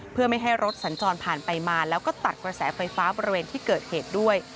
เพื่อไม่ให้รถสัญจรผ่านไปมาแล้วก็ตัดกระแสไฟฟ้าบริเวณที่เกิดเหตุด้วย